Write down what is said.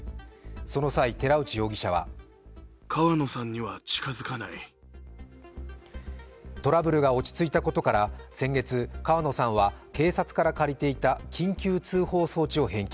その際、寺内容疑者はトラブルが落ち着いたことから先月、川野さんは警察から借りていた緊急通報装置を返却。